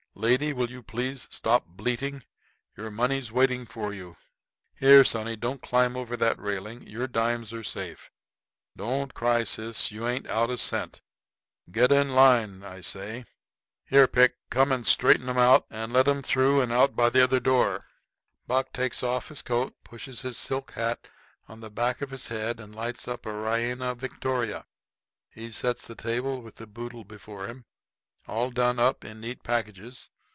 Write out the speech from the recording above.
Lady, will you please stop bleating? Your money's waiting for you. Here, sonny, don't climb over that railing; your dimes are safe. Don't cry, sis; you ain't out a cent. Get in line, I say. Here, Pick, come and straighten 'em out and let 'em through and out by the other door." Buck takes off his coat, pushes his silk hat on the back of his head, and lights up a reina victoria. He sets at the table with the boodle before him, all done up in neat packages.